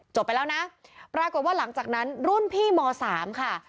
ไปแล้วนะปรากฏว่าหลังจากนั้นรุ่นพี่ม๓ค่ะ